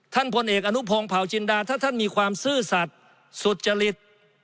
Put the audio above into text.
พลเอกอนุพงศ์เผาจินดาถ้าท่านมีความซื่อสัตว์สุจริต